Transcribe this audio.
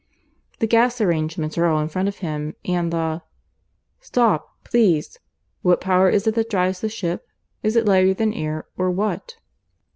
The gas arrangements are all in front of him, and the " "Stop, please. What power is it that drives the ship? Is it lighter than air, or what?"